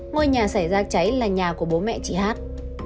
ngôi nhà xảy ra cháy là nhà của bố mẹ chị hát